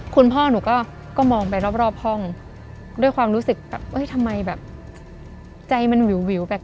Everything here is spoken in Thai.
คุณพ่อหนูก็มองไปรอบห้องด้วยความรู้สึกแบบเอ้ยทำไมแบบใจมันวิวแปลก